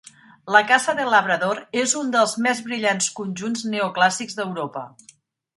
La Casa del Labrador és un dels més brillants conjunts neoclàssics d'Europa.